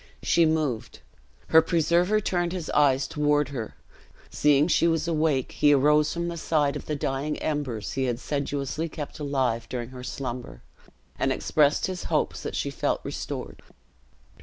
She moved. Her preserver turned his eyes toward her; seeing she was awake, he rose from the side of the dying embers he had sedulously kept alive during her slumber, and expressed his hopes that she felt restored.